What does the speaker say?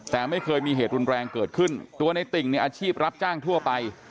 แต่ไม่เคยมีเหตุรุนแรงเกิดขึ้นตัวในติ่งในอาชีพรับจ้างทั่วไป